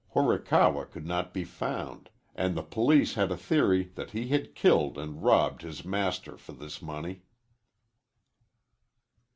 Horikawa could not be found, and the police had a theory that he had killed and robbed his master for this money.